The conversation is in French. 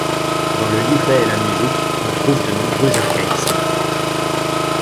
Dans le livret et la musique, on trouve de nombreux archaïsmes.